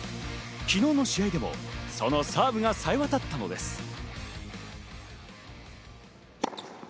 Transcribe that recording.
昨日の試合でも、そのサーブが冴え渡ったのです。